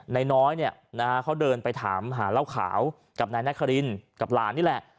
นายน้อยเขาเดินไปถามหาเล่าขาวกับนายแน่คารินกับหลานนี่แหละ